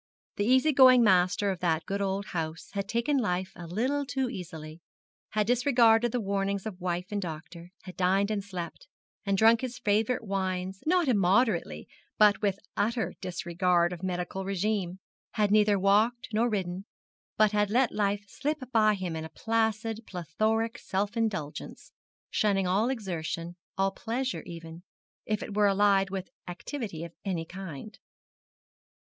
The easy going master of that good old house had taken life a little too easily, had disregarded the warnings of wife and doctor, had dined and slept, and drunk his favourite wines not immoderately, but with utter disregard of medical regimen had neither walked, nor ridden, but had let life slip by him in a placid, plethoric self indulgence shunning all exertion, all pleasure even, if it were allied with activity of any kind.